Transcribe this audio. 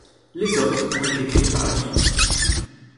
Les autres ont été créés par la suite.